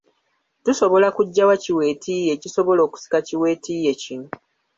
Tusobola kuggya wa ki weetiiye ekisobola okusika ki weetiiye kino?